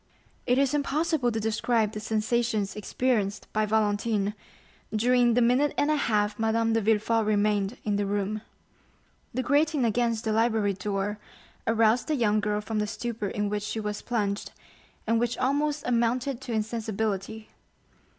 50077m It is impossible to describe the sensations experienced by Valentine during the minute and a half Madame de Villefort remained in the room. The grating against the library door aroused the young girl from the stupor in which she was plunged, and which almost amounted to insensibility.